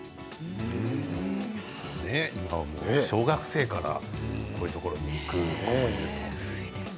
今は小学生からこういうところに行くと。